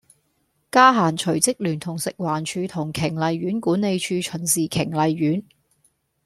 嘉嫻隨即聯同食環署同瓊麗苑管理處巡視瓊麗苑